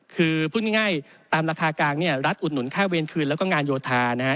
คือพูดง่ายตามราคากลางเนี่ยรัฐอุดหนุนค่าเวรคืนแล้วก็งานโยธานะฮะ